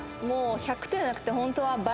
１００点じゃなくてホントは倍に。